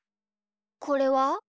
これは？